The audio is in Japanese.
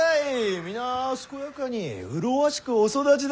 皆健やかに麗しくお育ちだて。